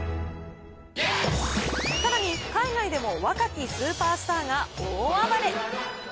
さらに、海外でも若きスーパースターが大暴れ。